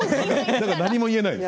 誰も何も言えないです。